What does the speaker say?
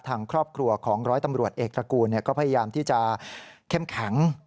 ทางครอบครัวของร้อยตำรวจเอกตระกูลก็พยายามที่จะเข้มแข็ง